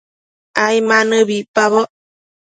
ai ma nëbi icpaboc